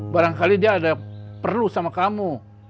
barangkali dia ada perlu sama kamu